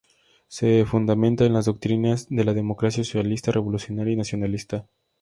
Se fundamenta en las doctrinas de la democracia socialista, revolucionaria y nacionalista.